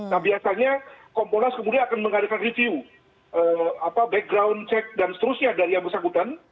nah biasanya kompolnas kemudian akan mengadakan review background check dan seterusnya dari yang bersangkutan